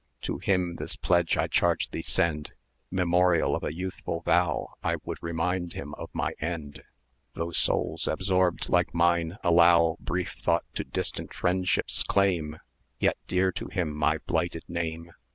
er To him this pledge I charge thee send,[es] Memorial of a youthful vow; I would remind him of my end: Though souls absorbed like mine allow Brief thought to distant Friendship's claim, Yet dear to him my blighted name.